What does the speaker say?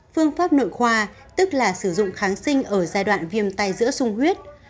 phương pháp nội khoa tức là sử dụng kháng sinh ở giai đoạn viêm tay giữa sung huyết